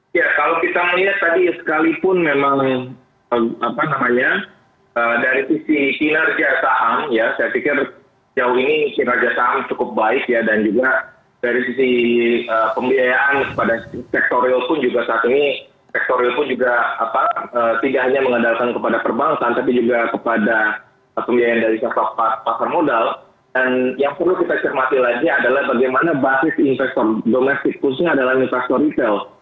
pertama adalah bagaimana basis investor domestik khususnya adalah investor retail